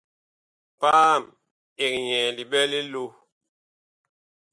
Paam ɛg nyɛɛ liɓɛ li loh.